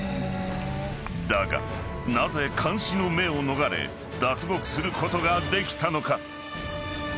［だがなぜ監視の目を逃れ脱獄することができたのか？］